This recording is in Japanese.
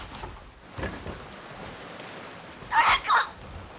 誰か！